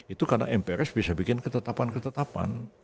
itu karena mprs bisa bikin ketetapan ketetapan